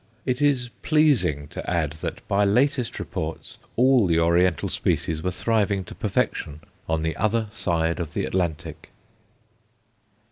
It is pleasing to add that by latest reports all the Oriental species were thriving to perfection on the other side of the Atlantic.